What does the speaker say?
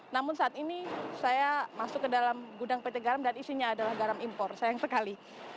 namun saat ini saya masuk ke dalam gudang pt garam dan isinya adalah garam impor sayang sekali